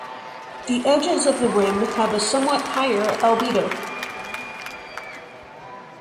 The edges of the rim have a somewhat higher albedo.